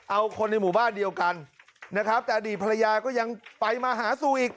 เอาคนในหมู่บ้านเดียวกันนะครับแต่อดีตภรรยาก็ยังไปมาหาสู่อีก